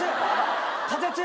風強い。